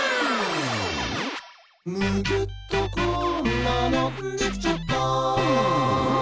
「むぎゅっとこんなのできちゃった！」